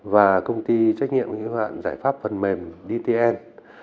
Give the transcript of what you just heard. và công ty trách nhiệm hiệu hạn giải pháp phần mềm dtn